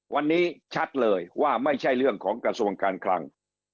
วันนี้ชัดเลยว่าไม่ใช่เรื่องของกระทรวงการคลัง